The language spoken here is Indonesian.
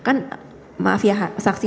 kan maaf ya saksi